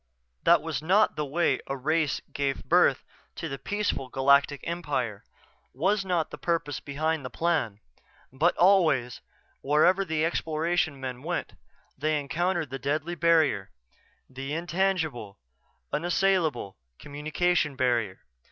That was not the way a race gave birth to peaceful galactic empire, was not the purpose behind the Plan. But always, wherever the Exploration men went, they encountered the deadly barrier; the intangible, unassailable communication barrier.